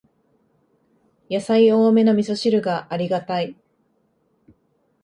やさい多めのみそ汁がありがたい